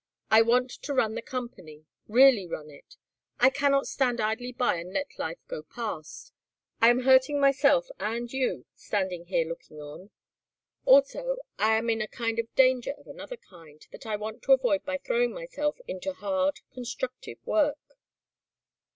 I want to run the company, really run it. I cannot stand idly by and let life go past. I am hurting myself and you standing here looking on. Also I am in a kind of danger of another kind that I want to avoid by throwing myself into hard, constructive work."